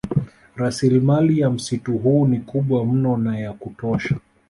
Rasilimali ya msitu huu ni kubwa mno na ya kutosha